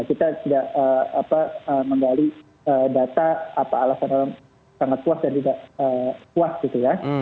kita tidak menggali data apa alasan sangat puas dan tidak puas gitu ya